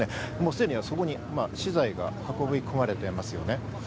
すでにそこに資材が運び込まれています。